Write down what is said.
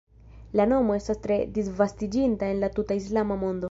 La nomo estas tre disvastiĝinta en la tuta islama mondo.